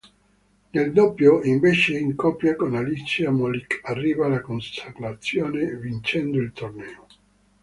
Nel doppio, invece, in coppia con Alicia Molik, arriva la consacrazione vincendo il torneo.